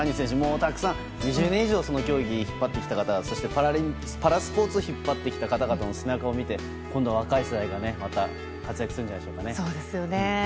たくさん２０年以上競技を引っ張ってきた方そしてパラスポーツを引っ張ってきた方の背中を見て若い世代がまた活躍するんじゃないでしょうかね。